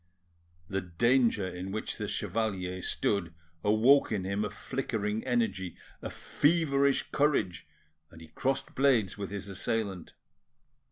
The danger in which the chevalier stood awoke in him a flickering energy, a feverish courage, and he crossed blades with his assailant.